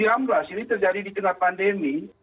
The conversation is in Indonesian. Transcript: ini terjadi di tengah pandemi